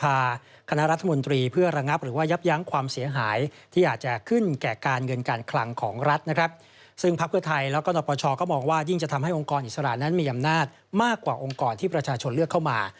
แล้วเมื่อมองดูแล้วมันก็ไม่รู้จะไปให้ใครชี้ได้